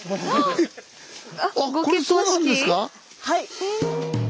はい。